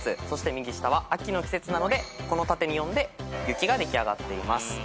そして右下は「あき」の季節なのでこの縦に読んで「ゆき」が出来上がっています。